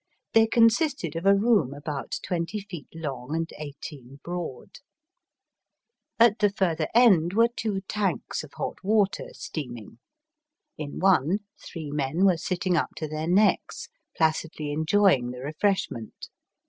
They consisted of a room about twenty feet long and eighteen broad. At the further end were two tanks of hot water steaming. In one three men were sitting up to their necks, placidly enjoying the refresh ment.